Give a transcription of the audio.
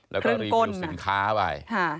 แล้วก็รีวิวสินค้าไป